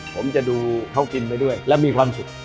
ผมจะดูเขากินไปด้วยแล้วมีความสุข